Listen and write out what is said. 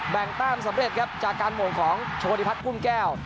แบ่งแต้มสำเร็จครับจากการโหมงของโชฮดิพัดพุ่งแก้ว